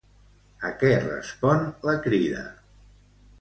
A què respon la Crida?